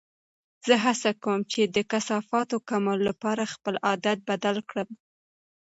زه هڅه کوم چې د کثافاتو کمولو لپاره خپل عادت بدل کړم.